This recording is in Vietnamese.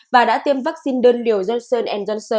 và đã tiêm vaccine đơn liều johnson johnson